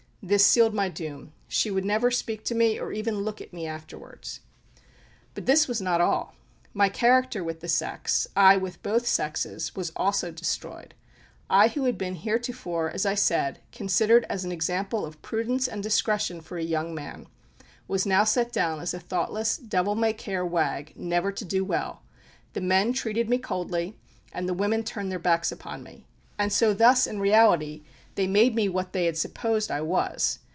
This sealed my doom. She would never speak to me, or even look at me afterwards. But this was not all. My character with the sex ay, with both sexes was also destroyed. I who had been heretofore, as I said, considered as an example of prudence and discretion for a young man, was now set down as a thoughtless, devil may care wag, never to do well: the men treated me coldly, and the women turned their backs upon me; and so thus in reality they made me what they had supposed I was.